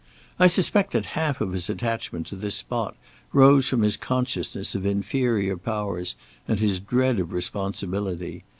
I suspect that half of his attachment to this spot rose from his consciousness of inferior powers and his dread of responsibility.